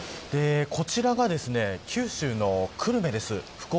こちらが、九州の久留米です。